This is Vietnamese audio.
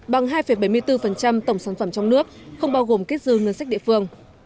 bằng hai bảy mươi bốn tổng sản phẩm trong nước không bao gồm kết dư ngân sách địa phương